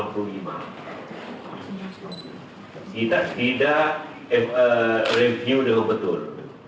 kita tidak review dengan betul